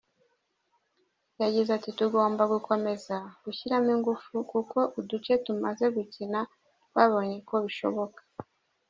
Yagize ati “Tugomba gukomeza gushyiramo ingufu kuko uduce tumaze gukina twabonye ko bishoboka.